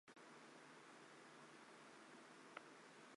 孔东多布拉克人口变化图示